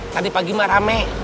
tadi pagi mah rame